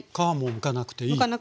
むかなくていいです。